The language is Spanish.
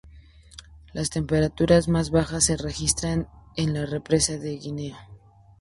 Las temperaturas más bajas se registran en la Represa el Guineo.